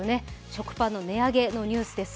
食パンの値上げのニュースです。